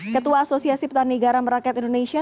ketua asosiasi petani garam rakyat indonesia